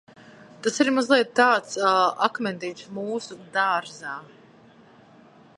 "Tas ir mazliet tāds "akmentiņš mūsu dārziņā"."